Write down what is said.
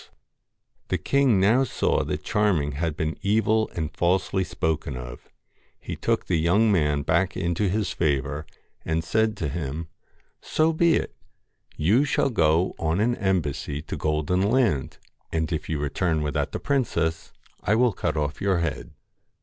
LOCKS The king now saw that Charming had been evil and falsely spoken of; he took the young man back into his favour, and said to him ' So be it. You shall go on an embassy to Golden Land ; and if you return without the princess, I will cut off your head.'